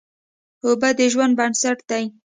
اوبه د ژوند بنسټ دي.